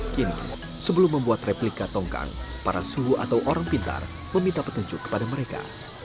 kini sebelum membuat replika tongkang para suhu atau orang pintar meminta petunjuk kepada mereka